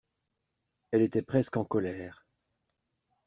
Elle était presque en colère.